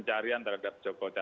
terima kasih pak